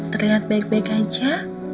terlihat baik baik aja